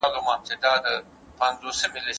میوه باید په مساوي ډول وویشل شي.